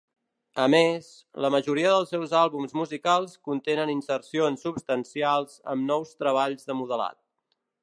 A més, la majoria dels seus àlbums musicals contenen insercions substancials amb nous treballs de modelat.